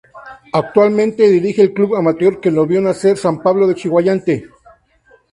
Actualmente dirige el Club Amateur que lo vio nacer San Pablo de Chiguayante.